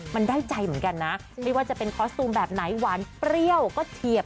มันได้ใจเหมือนกันนะไม่ว่าจะเป็นคอสตูมแบบไหนหวานเปรี้ยวก็เฉียบ